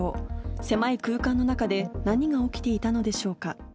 狭い空間の中で何が起きていたのでしょうか。